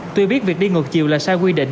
tuy biết việc đi ngược chiều là sai quy định